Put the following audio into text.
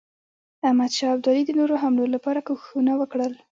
احمدشاه ابدالي د نورو حملو لپاره کوښښونه وکړل.